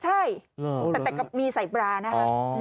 ใช่แต่ก็มีใส่ปลานะคะ